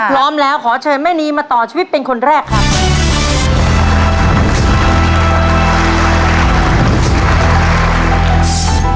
พร้อมแล้วขอเชิญแม่นีมาต่อชีวิตเป็นคนแรกครับ